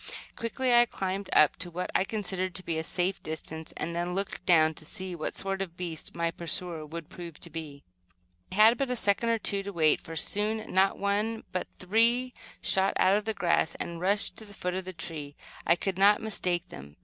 Quickly I climbed up to what I considered to be a safe distance, and then looked down to see what sort of a beast my pursuer would prove to be. I had but a second or two to wait, for soon, not one but three shot out of the grass and rushed to the foot of the tree. I could not mistake them.